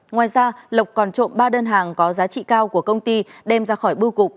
ngoài ra lộc còn trộm ba đơn hàng có giá trị cao của công ty đem ra khỏi bưu cục